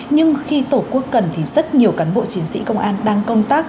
nhưng khi tổ quốc cần thì rất nhiều cán bộ chiến sĩ công an đang công tác